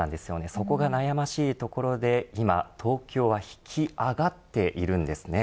そこが悩ましいところで今、東京は引き上がっているんですね。